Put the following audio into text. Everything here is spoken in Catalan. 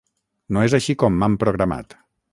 No és així com m'han programat.